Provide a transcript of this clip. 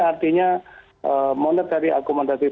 ini artinya monetary akomodatif